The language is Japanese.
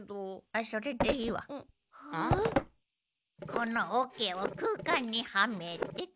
この桶を空間にはめてと。